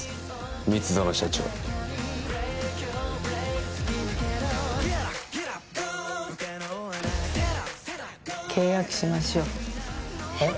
蜜園社長契約しましょうえっ？